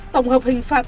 tổng hợp hình phạt